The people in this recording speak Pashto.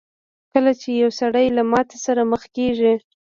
کله چې يو سړی له ماتې سره مخ کېږي.